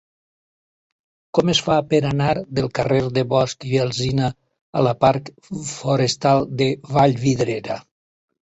Com es fa per anar del carrer de Bosch i Alsina a la parc Forestal de Vallvidrera?